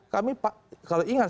kami kalau ingat